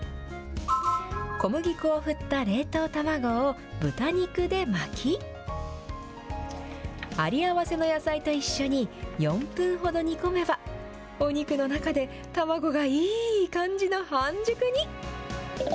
小麦粉を振った冷凍卵を豚肉で巻き、有り合わせの野菜と一緒に４分ほど煮込めば、お肉の中で卵がいい感じの半熟に。